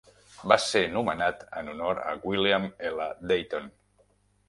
Va ser nomenat en honor a William L. Dayton.